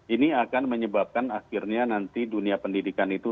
ini akan menyebabkan akhirnya nanti dunia pendidikan itu